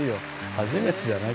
初めてじゃない？